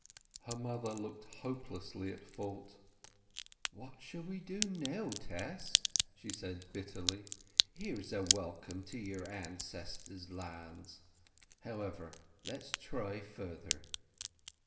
Her mother looked hopelessly at fault. "What shall we do now, Tess?" she said bitterly. "Here's a welcome to your ancestors' lands! However, let's try further."